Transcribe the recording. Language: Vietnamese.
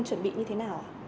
chuẩn bị như thế nào